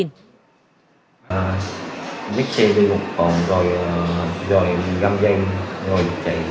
nguyễn anh hậu khai ra đồng bọn là nguyễn ngọc tin